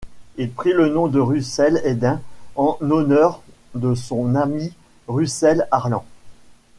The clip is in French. Il prit le nom de Russell Hayden en honneur de son ami Russell Harlan.